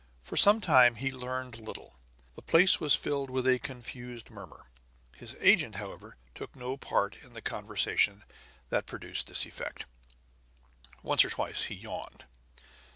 For some time he learned little; the place was filled with a confused murmur. His agent, however, took no part in the conversation that produced this effect; once or twice he yawned.